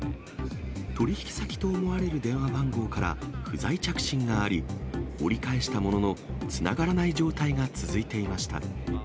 取り引き先と思われる電話番号から、不在着信があり、折り返したものの、つながらない状態が続いていました。